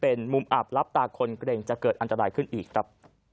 พื้นที่ดังกล่าวนั้นเป็นมุมอับรับตาคนเกร็งจะเกิดอันตรายขึ้นอีกครับ